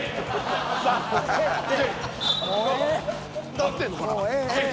合ってんのかな？